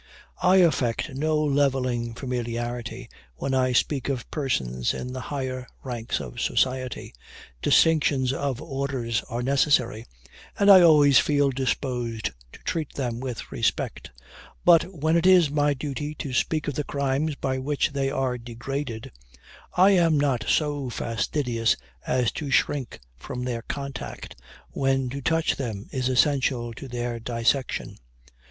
I affect no levelling familiarity, when I speak of persons in the higher ranks of society distinctions of orders are necessary, and I always feel disposed to treat them with respect but when it is my duty to speak of the crimes by which they are degraded, I am not so fastidious as to shrink from their contact, when to touch them is essential to their dissection.